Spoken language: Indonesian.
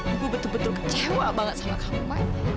aku betul betul kecewa banget sama kamu